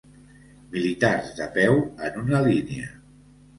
Militars de peu en una línia.